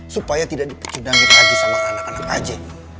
supaya tidak dipercidangin lagi sama anak anak aja